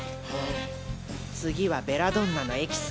次はベラドンナのエキス。